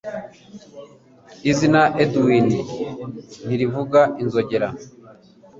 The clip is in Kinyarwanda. Izina Edwin ntirivuga inzogera.